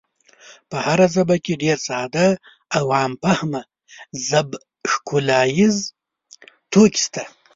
په هره ژبه کې ډېر ساده او عام فهمه ژب ښکلاییز توکي شته.